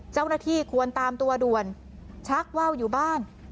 เจ้าหน้าที่ควรตามตัวด่วนชักว่าวอยู่บ้าน